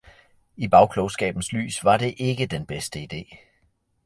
I bagklogskabens lys var det ikke den bedste ide.